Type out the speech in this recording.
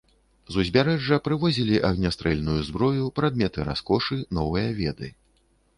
З узбярэжжа прывозілі агнястрэльную зброю, прадметы раскошы, новыя веды.